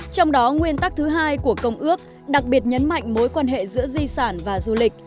trong đó nguyên tắc thứ hai của công ước đặc biệt nhấn mạnh mối quan hệ giữa di sản và du lịch